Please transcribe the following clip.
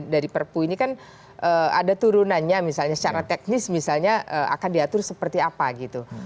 dari perpu ini kan ada turunannya misalnya secara teknis misalnya akan diatur seperti apa gitu